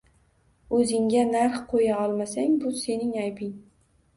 O‘zingga narx qo‘ya olmasang, bu sening aybing.